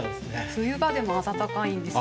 冬場でも暖かいんです。